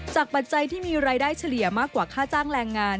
ปัจจัยที่มีรายได้เฉลี่ยมากกว่าค่าจ้างแรงงาน